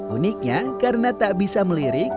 uniknya karena tak bisa melirik